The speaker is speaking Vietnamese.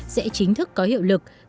sẽ chính thức có hiệu lực